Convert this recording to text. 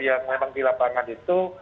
yang memang di lapangan itu